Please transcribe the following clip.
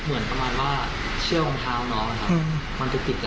อืม